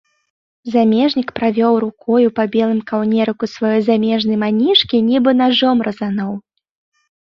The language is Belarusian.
Замежнік правёў рукою па белым каўнерыку сваёй замежнай манішкі, нібы нажом разануў.